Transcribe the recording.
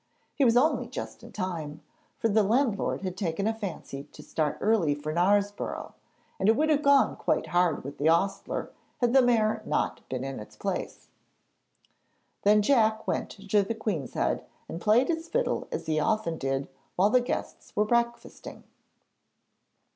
He was only just in time, for the landlord had taken a fancy to start early for Knaresborough, and it would have gone hard with the ostler had the mare not been in its place. Then Jack went to the Queen's Head, and played his fiddle as he often did, while the guests were breakfasting.